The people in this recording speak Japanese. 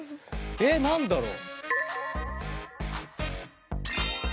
えっなんだろう？